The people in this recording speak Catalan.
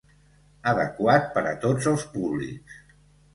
Adequat per a tots els públics.